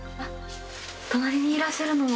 隣にいらっしゃるのは？